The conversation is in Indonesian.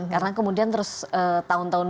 karena kemudian terus tahun tahun